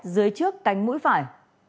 dưới trước cánh mũi phải